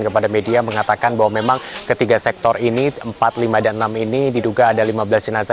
kepada media mengatakan bahwa memang ketiga sektor ini empat lima dan enam ini diduga ada lima belas jenazah